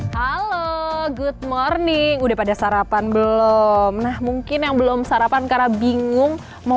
halo good morning udah pada sarapan belum nah mungkin yang belum sarapan karena bingung mau